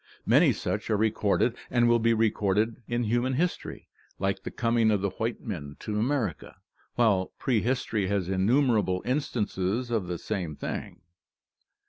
Many such are recorded and will be recorded in human history, like the coming of the white men to America, while prehistory has innumerable instances of the same thing.